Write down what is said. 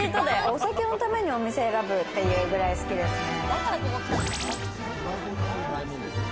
お酒のためにお店選ぶっていうぐらい好きですね。